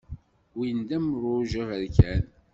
Win d amruj aberkan.